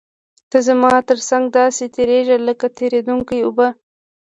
ته زما تر څنګ داسې تېرېږې لکه تېرېدونکې اوبه.